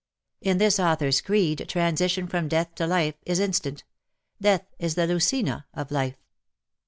In this author's creed transition from death to life is instant — death is the Lucina of life.